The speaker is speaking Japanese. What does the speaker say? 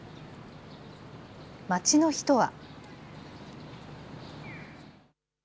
街の人は。